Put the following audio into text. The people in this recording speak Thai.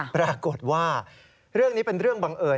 ปรากฏว่าเรื่องนี้เป็นเรื่องบังเอิญ